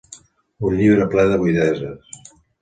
Un llibre ple de buideses.